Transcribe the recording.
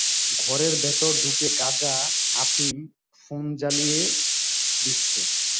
ঘরের ভেতর ঢুকে গাঁজা, আফিম, ফোন জ্বালিয়ে দিচ্ছে।